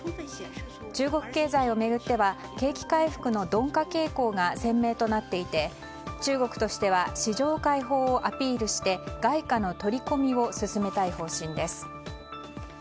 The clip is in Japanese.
中国経済を巡っては景気回復の鈍化傾向が鮮明となっていて、中国としては市場開放をアピールして外貨の取り込みを進めたい方針です。